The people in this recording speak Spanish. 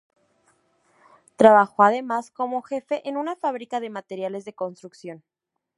Trabajó además como jefe en una fábrica de materiales de construcción.